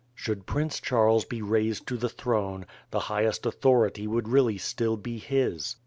Should Prince Charles be raised to the throne, the highest authority would really still be his.